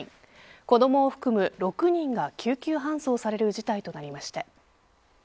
子どもを含む６人が救急搬送される事態となりました。